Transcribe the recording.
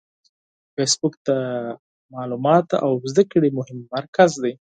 فېسبوک د معلوماتو او زده کړې مهم مرکز دی